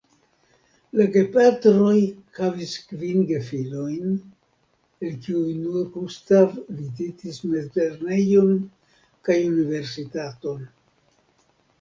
La gepatroj havis kvin gefilojn, el kiuj nur Gustav vizitis mezlernejon kaj Universitaton.